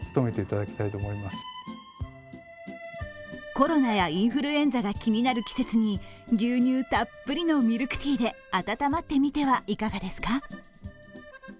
コロナやインフルエンザが気になる季節に牛乳たっぷりのミルクティーで温まってみてはいかがですか？